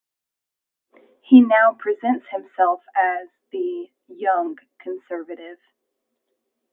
He now presents himself as the "young conservative".